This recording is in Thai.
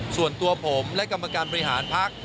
ส่วนตัวผมและกรรมการบริหารพัก